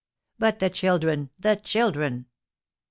"But the children, the children!"